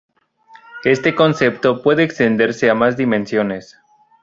Este concepto puede extenderse a más dimensiones.